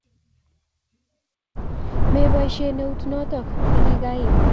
Meboishen eut noto nigigaiil